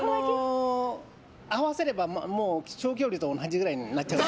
合わせれば長距離と同じくらいになっちゃう。